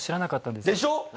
でしょ？